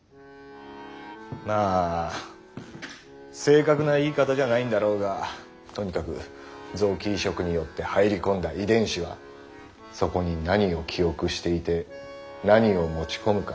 まあ正確な言い方じゃないんだろうがとにかく臓器移植によって入り込んだ遺伝子はそこに何を記憶していて何を持ち込むか。